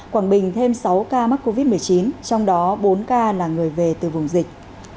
quảng bình thêm sáu ca mắc covid một mươi chín trong đó bốn ca là người về từ vùng dịch